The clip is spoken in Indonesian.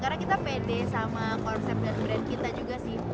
karena kita pede sama konsep dan brand kita juga sih ya